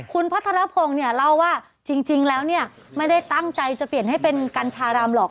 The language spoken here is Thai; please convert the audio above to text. คุณพัทรพงศ์เนี่ยเล่าว่าจริงแล้วเนี่ยไม่ได้ตั้งใจจะเปลี่ยนให้เป็นกัญชารำหรอก